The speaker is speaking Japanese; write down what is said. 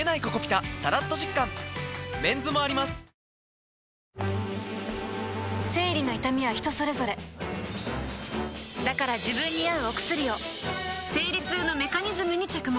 サントリーから生理の痛みは人それぞれだから自分に合うお薬を生理痛のメカニズムに着目